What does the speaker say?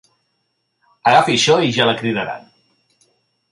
Agafi això i ja la cridaran.